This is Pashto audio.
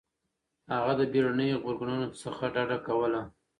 هغه د بېړنيو غبرګونونو څخه ډډه کوله.